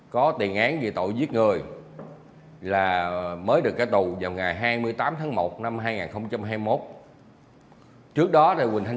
có tình án về tội giết người là mới được cá tù vào ngày hai mươi tám tháng một năm hai nghìn hai mươi một trước đó là quỳnh thanh